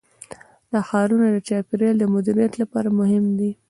دا ښارونه د چاپیریال د مدیریت لپاره مهم دي.